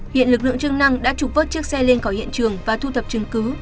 hiện lực lượng chức năng đã trục vớt chiếc xe lên khỏi hiện trường và thu thập chứng cứ